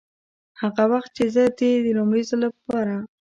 هغه وخت چې زه دې د لومړي ځل دپاره